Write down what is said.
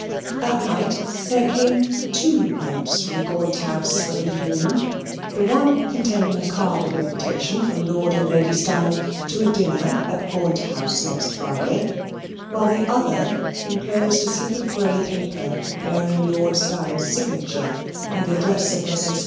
That night, there came two notes from Gaunt House for the little woman, the one containing a card of invitation from Lord and Lady Steyne to a dinner at Gaunt House next Friday, while the other enclosed a slip of gray paper bearing Lord Steyne's signature and the address of Messrs.